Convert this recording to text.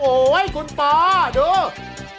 โอ๊ยคุณป่าดู